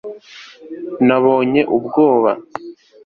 Nabonye ubwoba